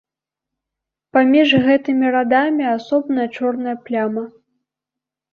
Паміж гэтымі радамі асобная чорная пляма.